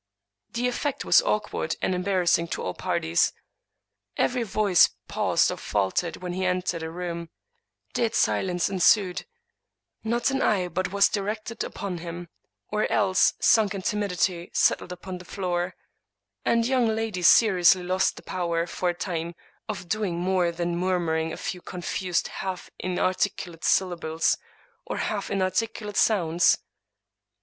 The effect was awkward and embarrassing to all parties. Every voice paused or faltered when he entered a room — dead silence ensued — not an eye but was directed upon him, or else, sunk in timidity, settled upon the floor ; and young ladies seriously lost the power, for a time, of doing more than murmuring a few confused, half inarticulate syllables, or half inarticulate sounds.